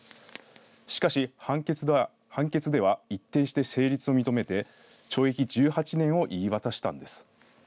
しかし判決では一転して成立を認めて懲役１８年を言い渡したんです。